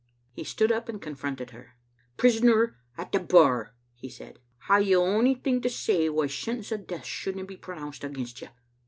'" He stood up and confronted her. "Prisoner at the bar," he said, "hae ye onything to say why sentence of death shouldna be pronounced against you?